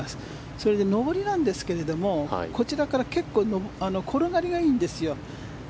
それで上りなんですけどこちらから結構転がりがいいんですよ。